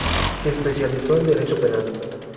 Se especializó en Derecho Penal.